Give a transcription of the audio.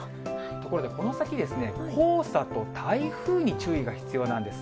ところでこの先、黄砂と台風に注意が必要なんです。